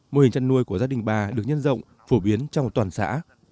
mô hình chăn nuôi của gia đình bà được nhân rộng phổ biến trong toàn xã